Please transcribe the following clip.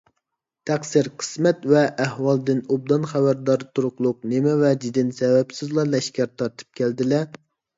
تەقسىر، قىسمەت ۋە ئەھۋالدىن ئوبدان خەۋەردار تۇرۇقلۇق، نېمە ۋەجىدىن سەۋەبسىزلا لەشكەر تارتىپ كەلدىلە؟